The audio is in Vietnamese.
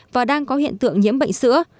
và đang có hiện tượng nhiễm bệnh sữa